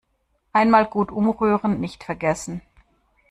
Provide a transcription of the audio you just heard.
Einmal gut umrühren nicht vergessen.